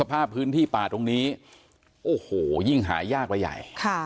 หญิงสภาพพื้นที่ปลาตรงนี้โอ้โหยิ่งหายาก่าย